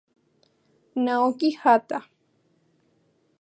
Naoki Hatta